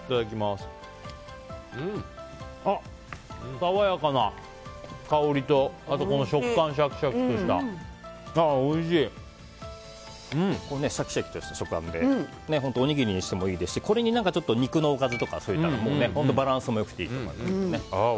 爽やかな香りとシャキシャキとした食感シャキシャキとした食感でおにぎりにしてもいいですしこれに肉のおかずとかを添えたら、バランスも良くていい。